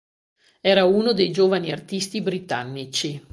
Era uno dei giovani artisti britannici.